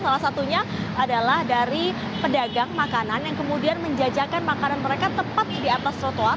salah satunya adalah dari pedagang makanan yang kemudian menjajakan makanan mereka tepatnya di atas trotoar